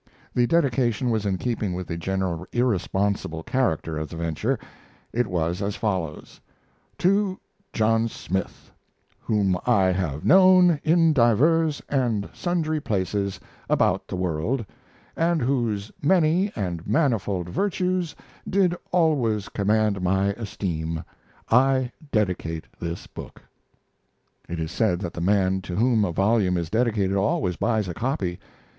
The dedication was in keeping with the general irresponsible character of the venture. It was as follows: TO JOHN SMITH WHOM I HAVE KNOWN IN DIVERS AND SUNDRY PLACES ABOUT THE WORLD, AND WHOSE MANY AND MANIFOLD VIRTUES DID ALWAYS COMMAND MY ESTEEM, I DEDICATE THIS BOOK It is said that the man to whom a volume is dedicated always buys a copy.